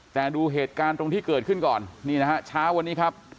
แต่ดูเหตุการณ์ตรงที่เกิดขึ้นก่อนนี่นะฮะเช้าวันนี้ครับ